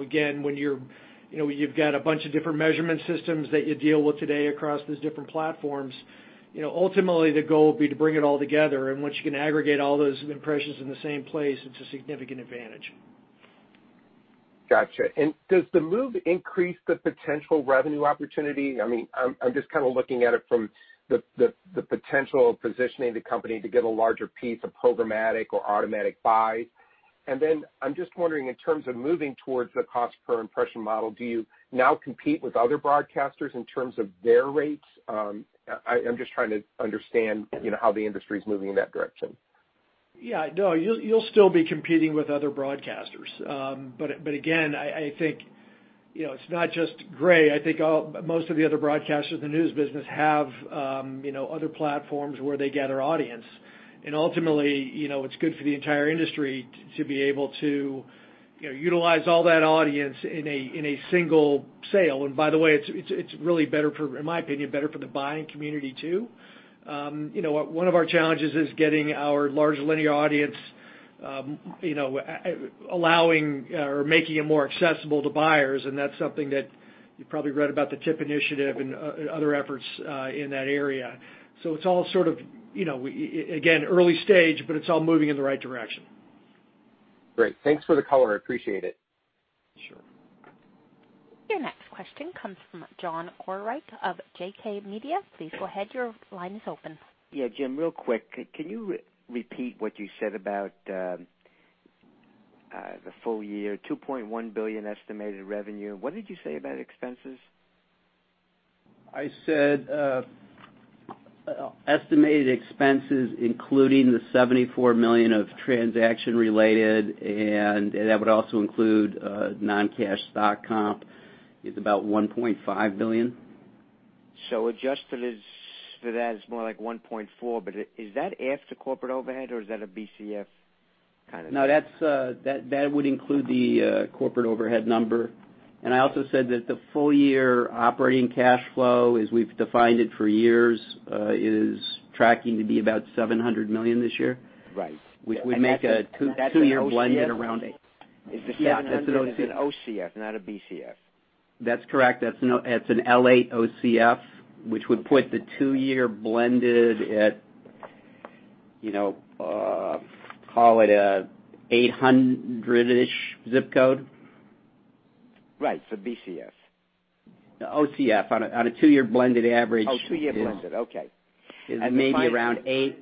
Again, when you've got a bunch of different measurement systems that you deal with today across those different platforms, ultimately the goal would be to bring it all together. Once you can aggregate all those impressions in the same place, it's a significant advantage. Gotcha. Does the move increase the potential revenue opportunity? I'm just kind of looking at it from the potential of positioning the company to get a larger piece of programmatic or automatic buys. I'm just wondering, in terms of moving towards the cost-per-impression model, do you now compete with other broadcasters in terms of their rates? I'm just trying to understand how the industry's moving in that direction. You'll still be competing with other broadcasters. Again, I think it's not just Gray. I think most of the other broadcasters in the news business have other platforms where they gather audience. Ultimately, it's good for the entire industry to be able to utilize all that audience in a single sale. By the way, it's really, in my opinion, better for the buying community, too. One of our challenges is getting our large linear audience, allowing or making it more accessible to buyers, and that's something that you probably read about, the TIP initiative and other efforts in that area. It's all sort of, again, early stage, but it's all moving in the right direction. Great. Thanks for the color. I appreciate it. Sure. Your next question comes from John Orwright of JK Media. Please go ahead. Your line is open. Jim, real quick, can you repeat what you said about the full year $2.1 billion estimated revenue? What did you say about expenses? I said estimated expenses, including the $74 million of transaction related, and that would also include non-cash stock comp, is about $1.5 billion. Adjusted for that is more like 1.4, but is that after corporate overhead, or is that a BCF kind of thing? No, that would include the corporate overhead number. I also said that the full year operating cash flow, as we've defined it for years, is tracking to be about $700 million this year. Right. We make a two-year blended around. Is the $700 an OCF, not a BCF? That's correct. That's an L8 OCF, which would put the two-year blended at, call it a $800-ish zip code. Right. BCF. No, OCF on a two-year blended average. Oh, two-year blended. Okay. It may be around $800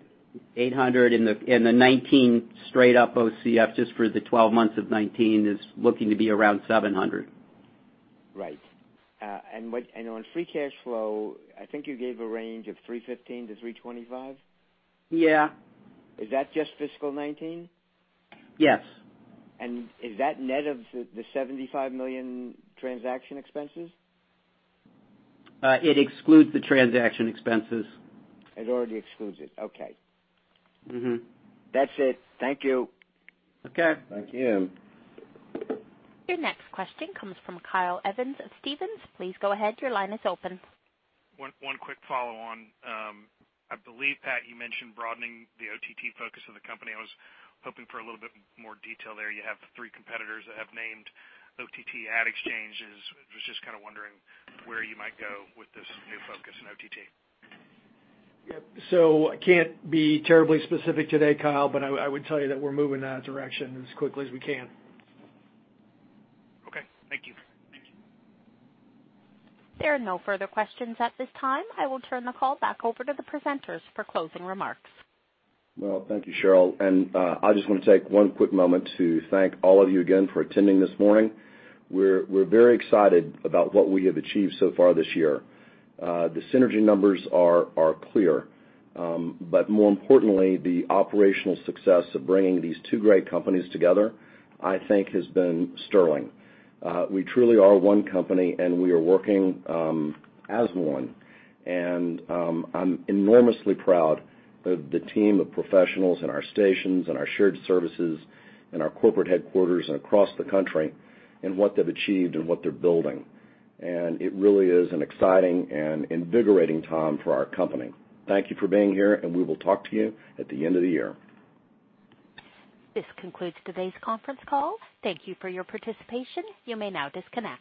in the 2019 straight up OCF, just for the 12 months of 2019 is looking to be around $700. Right. On free cash flow, I think you gave a range of $315-$325? Yeah. Is that just fiscal 2019? Yes. Is that net of the $75 million transaction expenses? It excludes the transaction expenses. It already excludes it. Okay. That's it. Thank you. Okay. Thank you. Your next question comes from Kyle Evans of Stephens. Please go ahead. Your line is open. One quick follow-on. I believe, Pat, you mentioned broadening the OTT focus of the company. I was hoping for a little bit more detail there. You have three competitors that have named OTT ad exchanges. Was just kind of wondering where you might go with this new focus in OTT. Yep. I can't be terribly specific today, Kyle, but I would tell you that we're moving in that direction as quickly as we can. Okay. Thank you. There are no further questions at this time. I will turn the call back over to the presenters for closing remarks. Well, thank you, Cheryl. I just want to take one quick moment to thank all of you again for attending this morning. We're very excited about what we have achieved so far this year. The synergy numbers are clear. More importantly, the operational success of bringing these two great companies together, I think, has been sterling. We truly are one company, and we are working as one. I'm enormously proud of the team of professionals in our stations and our shared services and our corporate headquarters and across the country in what they've achieved and what they're building. It really is an exciting and invigorating time for our company. Thank you for being here, and we will talk to you at the end of the year. This concludes today's conference call. Thank you for your participation. You may now disconnect.